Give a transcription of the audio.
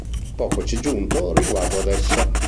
Poco ci è giunto riguardo ad essa.